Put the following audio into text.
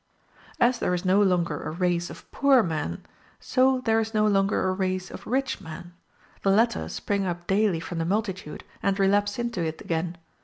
As there is no longer a race of poor men, so there is no longer a race of rich men; the latter spring up daily from the multitude, and relapse into it again.